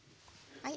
はい。